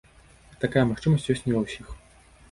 Такая магчымасць ёсць не ва ўсіх.